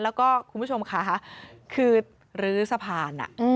แล้วก็คุณผู้ชมค่ะคือลื้อสะพาน